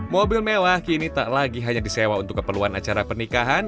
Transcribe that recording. mobil mewah kini tak lagi hanya disewa untuk keperluan acara pernikahan